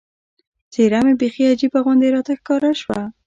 څېره مې بیخي عجیبه غوندې راته ښکاره شوه.